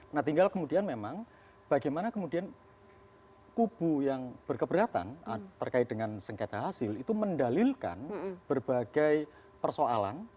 nah tinggal kemudian memang bagaimana kemudian kubu yang berkeberatan terkait dengan sengketa hasil itu mendalilkan berbagai persoalan